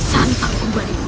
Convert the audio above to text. tentang kumbar ini